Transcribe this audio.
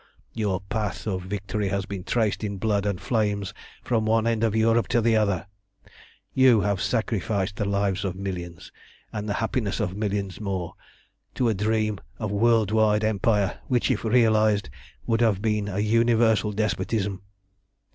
Your path of victory has been traced in blood and flames from one end of Europe to the other; you have sacrificed the lives of millions, and the happiness of millions more, to a dream of world wide empire, which, if realised, would have been a universal despotism.